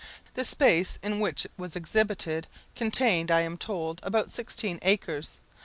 The space in which it was exhibited contained, I am told, about sixteen acres.